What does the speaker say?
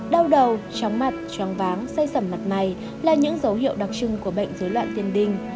đau đầu tróng mặt tróng váng say sầm mặt này là những dấu hiệu đặc trưng của bệnh rối loạn tiền đình